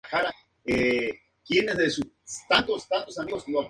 Ito es el presidente de Creative Commons.